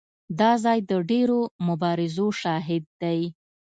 دا ځای د ډېرو مبارزو شاهد دی.